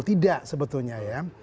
tidak sebetulnya ya